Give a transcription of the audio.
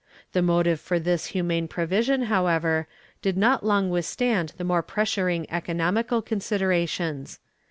^ The motive for this humane provision, however, did not long withstand the more pressing economical considerations.